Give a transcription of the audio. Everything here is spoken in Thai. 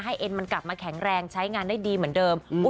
เอ็นมันกลับมาแข็งแรงใช้งานได้ดีเหมือนเดิม